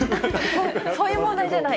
そういう問題じゃない？